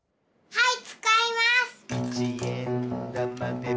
はい。